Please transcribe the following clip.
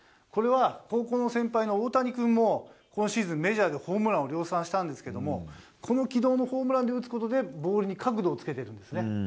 これは高校の先輩の大谷君も今シーズン、メジャーでホームラン量産しましたがこの軌道のホームランで打つことでボールに角度をつけているんですね。